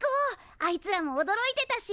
あいつらもおどろいてたし。